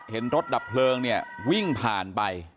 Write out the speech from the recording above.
เห็นรถดับเพลิงเนี่ยวิ่งผ่านไป